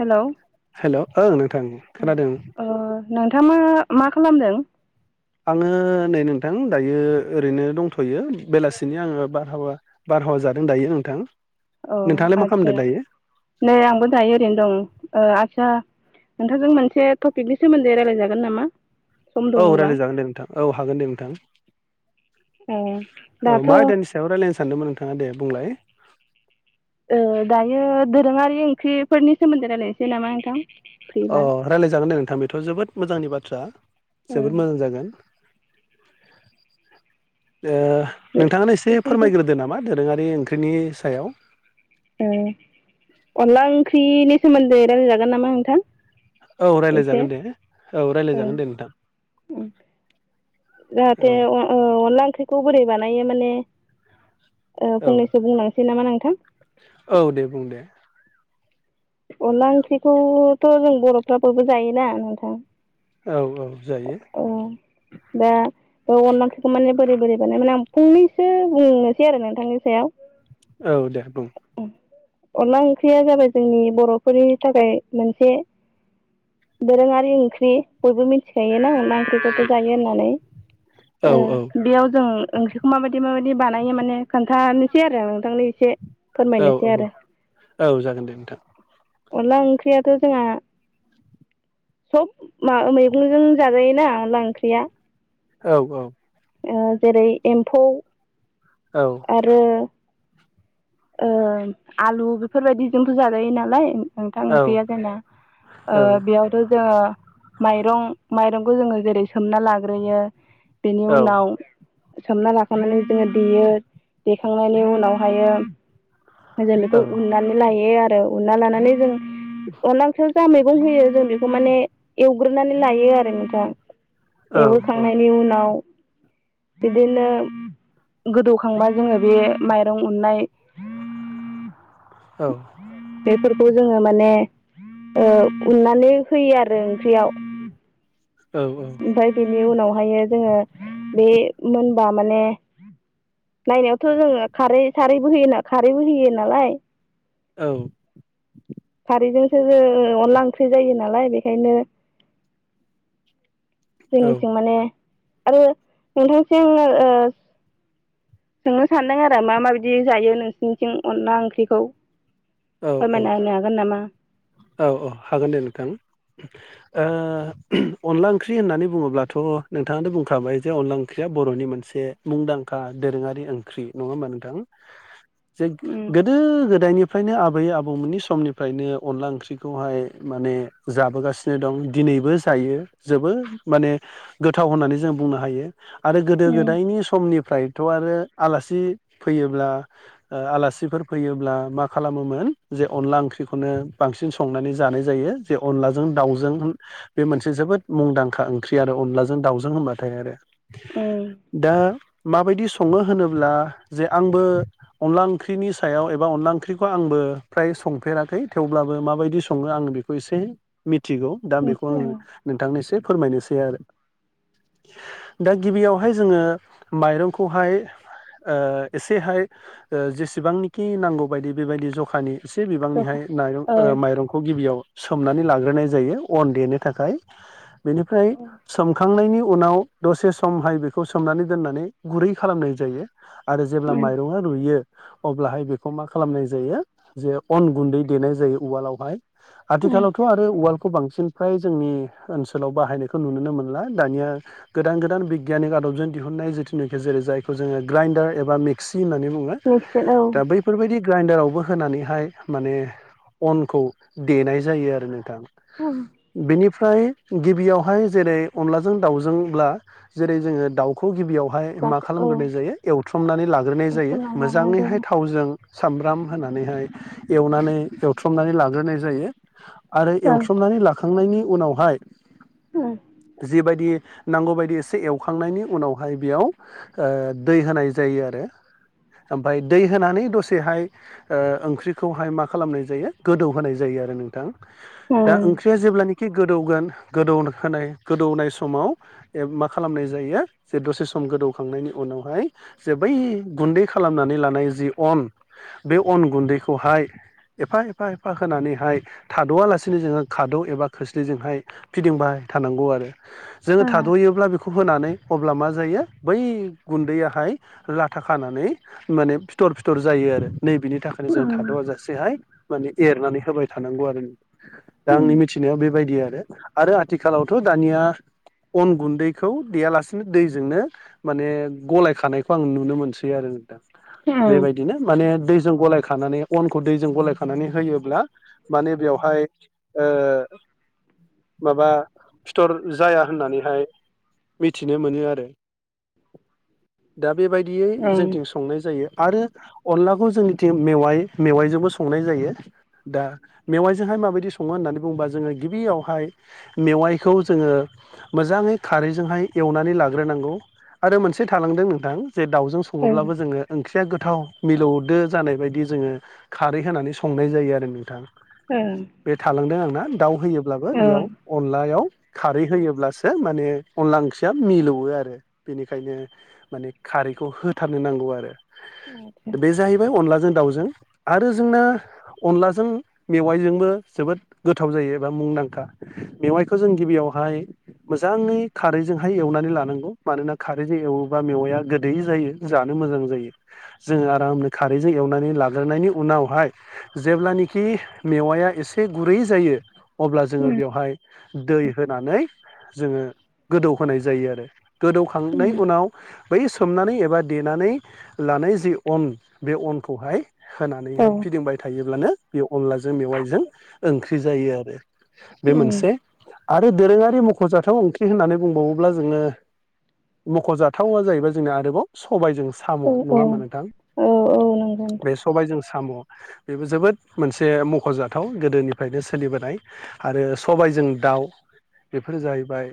Hello hello ओं नोंथां खोनादों ओ नोंथाङा मा खालामदों आङो नै नोंथां दायो ओरैनो दंथ'यो बेलासिनि आङो बारहावा बार बारहावा जादों दायो नोंथां अ नोंथाङालाय मा आदसा खालामदों दायो नै आंबो दायो ओरैनो दं ओ आदसा नोंथांजों मोनसे टपिकनि सोमोन्दै रायलायजागोन नामा सम औ दङबा रायलायजागोन दे नोंथां औ हागोन दे नोंथां ओ औ दाथ' मा ओ आयदानि सायाव रायलायनो सानदोंमोन नोंथाङा दे बुंलाय ओ दायो दोरोङारि ओंख्रिफोरनि सोमोन्दै रायलायनोसै नामा नोंथां अ फ्रिबा रायलायजागोन दे नोंथां बेथ' जोबोद मोजांनि बाथ्रा ओ जोबोद मोजां जागोन ओ नोंथाङानो एसे फोरमायग्रोदो नामा दोरोङारि ओंख्रिनि सायाव ओम अनला ओंख्रिनि सोमोन्दै रायलायजागोन नामा नोंथां औ एसे रायलायजागोन दे औ ओ रायलायजागोन दे नोंथां औ जाहाथे अ-अ-अनला ओंख्रिखौ बोरै बानायो माने ओ औ फंनैसो बुंलांसै नामा नोंथां औ दे बुं दे अनला ओंख्रिखौथ' जों बर'फ्रा बयबो जायोना नोंथां औ औ जायो [inaudible] बे अनला ओंख्रै खौ माने बोरै बोरै माने आं फंनैसो बुंनोसै आरो नोंथांनि सायाव औ दे बुं अनला ओंख्रिया जाबाय जोंनि बर'फोरनि थाखाय मोनसे दोरोङारि ओंख्रि बयबो मिथिखायोना अनला ओंख्रिखौथ' जायो होननानै औ ओ बेयाव‌ जों ओंख्रिखौ माबायदि माबायदि बानायो माने खोनथानोसै आरो नोंथांनो एसे औ फोरमायनोसै औ आरो औ जागोन दे नोंथां अनला ओंख्रियाथ' जोंहा सब मा मैगंजों जाजायो ना अनला ओंख्रिया औ औ ओ जेरै एम्फौ औ आरो ओ आलु बेफोरबायदिजोंथ' जाजायो नालाय नोंथां औ ओंख्रिया जोंना ओ बेयावथ' जोङो माइरं माइरं बो जोङो जेरै सोमना लाग्रोयो बेनि औ उनाव सोमना लाखांनानै जोङो देयो देखांनायनि उनावहायो बेखौ औ उननानै लायो आरो उनना लानानै जों अनला ओंख्रिया जा मैगं होयो जों बेखौ माने एवग्रोनानै लायो आरो नोंथां औ एवगोरखांनायनि उनाव बिदिनो गोदौखांबा जोङो बे माइरं उननाय औ बेफोरखौ जोङो माने उननानै होयो आरो ओंख्रियाव ओमफ्राय बेनि उनावहाय जोङो बे मोनबा माने नायनायावथ' जोङो खारै सारै बो होयोना खारैबो होयो नालाय औ बेजोंसो जों अनला ओंख्रि जायो नालाय बेखायनो जोंनिथिं माने आरो नोंथांथिं ओ सोंनो सानदों आरो मा माबिदि जायो नोंसिनिथिं अनला ओंख्रिखौ औ औ फोरमायना होनो हागोन नामा? औ औ हागोन दे नोंथां। ओ अनला ओंख्रि होननानै बुङोब्लाथ' नोंथाङानो बुंखाबाय जे अनला ओंख्रिया बर'नि मोनसे मुंदांखा दोरोङारि ओंख्रि नङा होमबा नोंथां। जे उम गोदो गोदायनि फ्रायनो आबै आबौमोननि समनिफ्रायनो अनला ओंख्रिखौहाय माने जाबोगासिनो दं दिनै नैबो जायो जोबोद माने गोथाव होननानै जों बुंनो हायो। आरो गोदो उम गोदायनि समनि फ्रायथ' आरो आलासि फैयोब्ला ओ आलासिफोर फैयोब्ला मा खालामोमोन जे अनला ओंख्रिखौनो बांसिन संनानै जानाय जायो जे अनलाजों दाउजों बे मोनसे जोबोद मुंदांखा ओंख्रि आरो अनलाजों दाउजों होनबाथाय आरो। उम दा माबायदि सङो होनोब्ला जे आंबो अनला ओंख्रिनि सायाव एबा अनला ख्रिखौ आंबो फ्राय संफेराखै थेवब्लाबो माबायदि सङो आङो बेखौ एसे मि थिगौ दा बेखौ मिथियो आङो नोंथांनि एसे फोरमायनोसै आरो। दा गिबियावहाय जोङो माइरंखौहाय ओ एसेहाय जेसेबांनिखि नांगौ बायदि बेबायदि जखानि एसे औ बिबांनिहाय माइरं औ ओ माइरंखौ गिबियाव सोमनानै लाग्रोनाय जायो अन देनो थाखाय बेनिफ्राय उम सोमखांनायनि उनाव दसे समहाय बेखौ सोमनानै दोननानै गुरै खालामनाय जायो। आरो जेब्ला माइरंआ रुयो अब्लाहाय बेखौ मा खालामनाय जायो जे अन गुन्दै देनाय जायो उवालावहाय उम आथिखालावथ' आरो उवाल खौ बांसिन फ्राय जोंनि ओनसोलाव बाहायनायखौ नुनो मोनला दानिया गोदान गोदान बिगियाननि आदबजों दिहुननाय जिथुनाखि जेरै जायखौ जोङो ग्राइडार एबा मिक्सि होननानै बुङो मिथिगोन औ दा बै ग्राइडारावबो होनानैहाय माने अनखौ देनाय जायो आरो नोंथां। [inaudible] फ्राय गिबियावहाय जेरै अनलाजों दाउजोंब्ला जेरै जोङो दाउखौ गिबियाव हाय मा औ खालामग्रोनाय जायो एवथ्रमनानै लाग्रोनाय जायो बुथुमना लाग्रा मोजाङैहाय थावजों सामब्राम होनानैहाय एवनानै एवथ्रमनानै लाग्रोनाय जायो। आरो जायो। एवथ्रमनानै लाखांनायनि उनावहाय जिबायदि नांगौ बायदि एसे एवखा खांनायनि उनावहाय बेयाव ओ दै होनाय जायो आरो। ओमफाय दै होनानै दसे बेहाय ओ ओंख्रिखौहाय मा खालामनाय जायो गोदौ होनाय जायो आरो नोंथां। दा ओंख्रिया जेब्लानिखि गोदौगोन गोदौ होनाय गोदौनाय समाव ए मा खालामनाय जायो जे दसे सम गोदौखांनायनि उनावहाय जे बै गुन्दै खालामनानै लानाय जि अन बे अन गुन्दैखौहाय एफा एफा एफा होनानैहाय थाद'आलासिनो जोङो खा खाद' एबा खोस्लिजोंहाय फिदिंबाय थानांगौ आरो। जोङो थाद'योब्ला बेखौ होनानै अब्ला मा जायो बै गुन्दैयाहाय लाथा खानानै माने फिथर फिथर जायो आरो नै बिनि थाखायनो जों थाद'आ जासेहाय माने एरनानै होबाय थानांगौ आरो। दा आंनि मिथिनायाव बेबायदि आरो। आरो आथिखालावथ' दानिया अन गुन्दैखौ देयालासेनो दैजोंनो माने गलायखानायखौ आं नुनो मोनसै आरो दा। उम माने दैजों गलायखानानै अनखौ दैजों गलायखानानै होयोब्ला माने बेवहाय ओ ओ माबा फिथर जाया होननानैहाय मिथिनो मोनो आरो। दा बेबायदियै जोंथिं संनाय जायो आरो अनलाखौ जोंनिथिं मेवा मेवाइजोंबो संनाय जायो दा मेवाइजोंहाय माबायदि सङो होननानै बुङोबा जोङो गिबियावहाय मेवाइखौ जोङो मोजाङै खारैजोंहाय एवनानै लाग्रोनांगौ आरो मोनसे थालांदों नोंथां जे दाउजों सङोब्लाबो जोङो ओंख्रिया गोथाव मिलौदो जानाय बायदि जोङो खारै होनानै संनाय जायो आरो नोंथां। बे थालांदों आंना दाउ होयोब्लाबो बेयाव अनलायाव खारै होयोब्लासो माने अनला ओंख्रिया मिलौवो आरो बेनिखायनो माने खा रैखौ होथारनो नांगौ आरो। बे जाहैबाय अनलाजों दाउ जों आरो जोंना अनलाजों मेवाइ जोंबो जोबो गोथाव जायो एबा मुं दांखा मेवाइखौ जों गिबियावहाय मोजाङै खारैजोंहाय एवनानै लानांगौ मानोना खारैजों एवोबा मेवाइया गोदै जायो जानो मोजां जायो। जोङो आरामनो खारैजों एवनानै लाग्रोनायनि उनावहाय जेब्लानाखि मेवाया एसे गुरै जायो अब्ला जोङो बेयावहाय दै होनानै जोङो गोदौ होनोनाय जायो आरो गोदौखांनाय उनाव बै सोमनानै एबा देनानै लानाय जि अन बे अनखौहाय होनानैहाय फिदिंबाय थायोब्लानो बे अनलाजों मेवाइजों ओंख्रि जायो आरो। बे मोनसे आरो दोरोङारि मख'जाथाव ओंख्रि होननानै बुंबावोब्ला जोङो मख'जाथावा जाहैबाय जोंना आरोबाव सबायजों साम' नङा होमबा नोंथां औ नंगौ बे नोंथां सबायजों साम' बेबो जोबोद मोनसे मख'जाथाव गोदोनिफ्रायनो सोलिबोनाय आरो सब सबाय जों दाउ बेफोरो जाहैबाय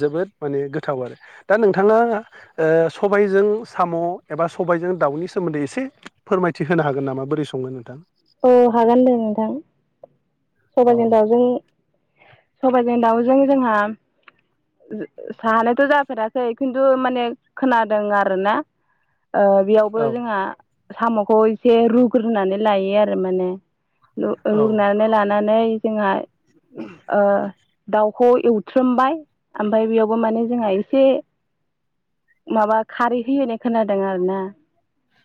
जोबोद माने गोथाव आरो दा नोंथाङा ओ सबाय जों साम' एबा सबायजों दावउनि सोमोन्दै एसे फोरमायथि होनो हागोन नामा बोरै संनो नोंथां? औ हागोन दे नोंथां। औ सबजोंजों दाउजों सबायजों दाउजों जोंहा जानायथ' जाफेराखै खिन्थु माने खोनादों आरो ना। ओ बेयावबो औ जोंहा साम'खौ एसे रुग्रोनानै लायो आरो माने। रु ओ औ रुग्रुनानै लानानै जोंहा दउ खौ एवथ्रोमबाय आमफाय बेयावबो माने जोंहा एसे माबा खारै होयो होनाय खोनादों आरो ना।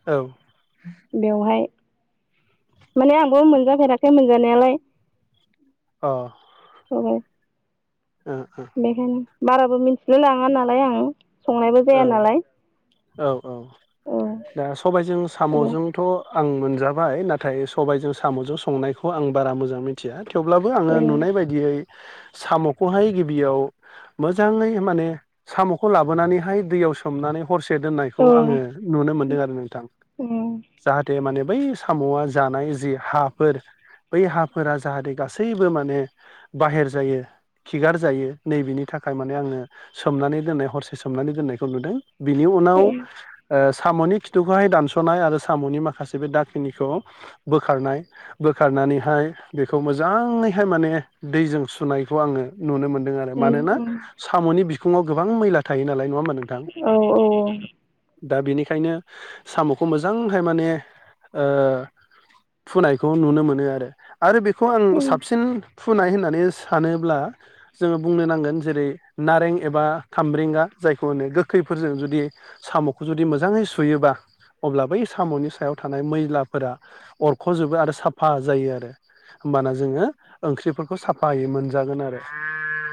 औ अ ओ बेवहाय माने आंबो मोनजाफेराखै मोनजानायालाय ओ औ सबाय बेखायनो बाराबो मिनथिलाय लाङा नालाय आं संनायबो जाया नालाय। औ औ औ दा सबायजों आदा साम'जोंथ' आं मोनजाबाय नाथाय सबायाइजों साम'जों संनायखौ आं बारा मोजां मिथिया। थेवब्लाबो आङो औ नुनाय बायदियै साम'खौहाय गिबियाव मोजाङै माने साम'खौ लाबोनानै हाय दैयाव सोमनानै हरसे दोननायखौ औ आङो नुनो मोनदों आरो नोंथां। उम जाहाथे माने बै साम'आ जानाय जि हाफोर बै हाफोरा जाहाथे गासैबो माने बाहेर जायो खिगार जायो नै बेनि थाखाय माने आङो सोमनानै दोननाय हरसे सोमनानै दोननायखौ नुदों बिनि उनाव ओ साम'नि खिथुखौहाय दानस'नाय आरो साम'नि माखासे बे दाखिनिखौ बोखारनाय बोखारना नानैहाय बेखौ मोजाङैहाय माने दैजों सुनायखौ आङो नुनो मोनदों आरो मानोना साम'नि बिखुङाव गोबां मैला थायो नालाय नङा होमबा नोंथां औ औ। दा बिनिखायनो साम'खौ मोजांहाय माने ओ फुनायखौ नुनो मोनो आरो आरो बेखौ आं साबसिन फुनाय होननानै सानोब्ला जोङो बुंनो नांगोन जेरै नारें एबा खामब्रे रेंगा जायखौ होनो गोखैफोरजों जुदि साम'खौ जुदि मोजाङै सुयोबा अब्ला बै साम'नि सायाव थानाय मैलाफोरा अरख'जोबो आरो साफा जायो आरो होमबाना जोङो ओंख्रिफोरखौ साफायै मोनजागोन आरो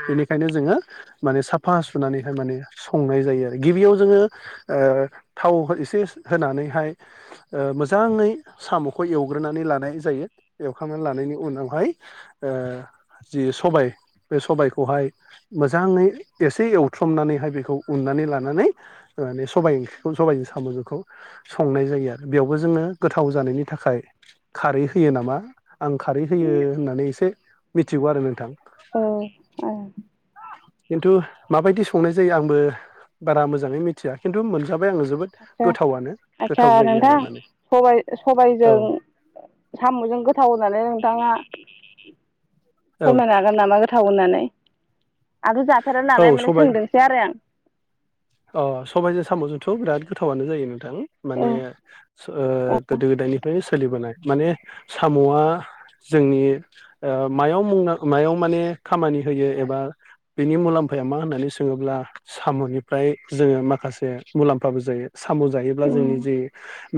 बेनिखायनो जोङो माने साफा सुनानै माने संनाय जायो आरो गिबियाव जोङो थाव एसे होनानैहाय मोजाङै साम'खौ एवग्रोनानै लानाय जायो एवखांनानै लानायनि उनावहाय जि सबाय बे सबायखौहाय मोजाङै एसे एव थ्रमनानैहाय बेखौ उननानै लानानैान सबाइ ओंख्रिखौ सबजों साम'जोंखौ संनाय जायो जायो आरो बेयावबो जोङो गोथाव जानायनि थाखाय खारै होयो नामा आं खारै होयो होननानै एसे मिथिगौ आरो नोंथां औ खिन्थु माबायदि संनाय जायो आंबो बारा मोजाङै मिथिया खिन्थु मोनजाब आदसा आस्सा जायो आरो नोंथां माने सबाय औ सबायजों साम'जों गोथाव होन्नानै नोंथाङा औ फोरमायनो हागोन नामा गोथाव होननानै आगोल जाथारा औ नालाय माने सबाय सोंदोंसै आरो आं अ सबायाइजों साम'जोंथ' बिराद गोथावनो जायो नों थां औ माने सो ओ औ गोदो गोदायनिफरायनो सोलिबोनाय माने साम'आ जोंनि ओ मायाव मायाव माने खामानि होयो एबा बिनि मुलाम्फाया मा होननानै सोङोब्ला साम'नि फ्रामाय जोङो माखासे मुलाम्फाबो जायो साम' जायोब्ला जोंनि जि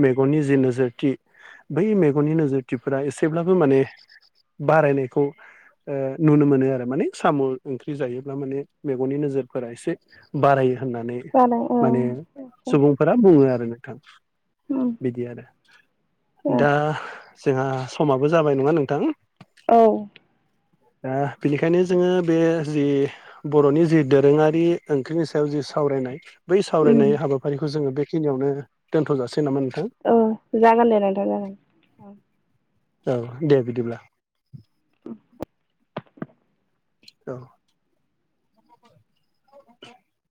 मेगननि जि नोजोरथि बै मेगननि नोजोरथिफोरा एसेब्लाबो माने बारायनायखौ नुनो मोनो आरो माने साम' ओंख्रि जायोब्ला माने मेगननि नोजोरफोरा एसे बारायो होननानै जादों औ औ माने सुबुंफोरा बुङो आरो नों थां बिदि आरो औ दा जोंहा समाबो जाबाय नङा नोंथां औ दा बेनिखायनो जोङो बे जि बर'नि जि दोरोङारि ओंख्रिनि सायाव जों सावरायनाय बै सावरायनाय हाबाफारिखौ जोङो बेखिनियावनो दोनथ'जासिगोन औ जागोन दे नोंथां जागोन औ औ दे बिदिब्ला औ